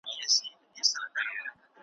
نه په عقل نه په فکر کي جوړیږي `